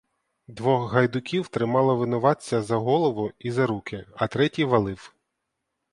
Двох гайдуків тримало винуватця за голову і за руки, а третій валив.